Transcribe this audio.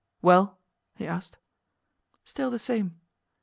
"Well?" he asked. "Still the same.